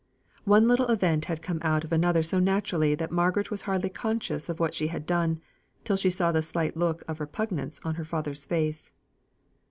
One little event had come out of another so naturally that Margaret was hardly conscious of what she had done, till she saw the slight look of repugnance on her father's face.